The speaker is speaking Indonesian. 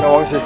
gak mau sih